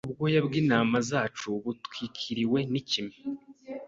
Ubwoya bwintama zacu butwikiriwe nikime